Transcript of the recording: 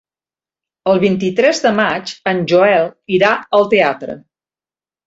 El vint-i-tres de maig en Joel irà al teatre.